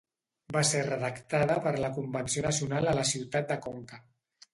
Va ser redactada per la Convenció Nacional a la ciutat de Conca.